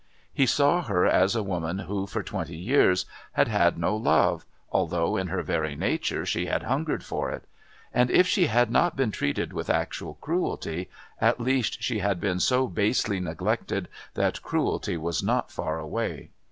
He saw her as a woman who, for twenty years, had had no love, although in her very nature she had hungered for it; and if she had not been treated with actual cruelty, at least she had been so basely neglected that cruelty was not far away.